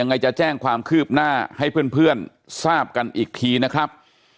ยังไงจะแจ้งความคืบหน้าให้เพื่อนทราบกันอีกทีนะครับ